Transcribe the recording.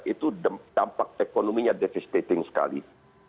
itu dampak ekonominya defistating sekali